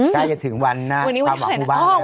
ใกล้จะถึงวันความหวังหมู่บ้านแล้ว